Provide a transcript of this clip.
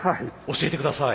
教えて下さい。